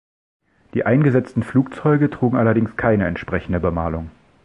Die eingesetzten Flugzeuge trugen allerdings keine entsprechende Bemalung.